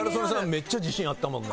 めっちゃ自信あったもんね。